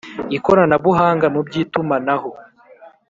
Ikoranabuhanga mu by itumanaho